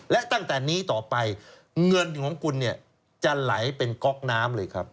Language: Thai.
และตั้งแต่นี้ต่อไปเงินของคุณเนี่ยจะไหลเป็นก๊อกน้ำเลยครับ